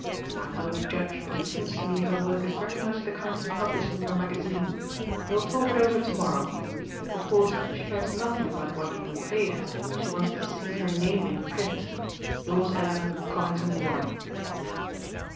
I'm no judge but it seems to me her work is very much the kind you publish in your magazine. We will talk it over to morrow. Of course she cares nothing about what you would pay her. She wants to see her name in print. "Yours ever, "CONINGTON WARREN."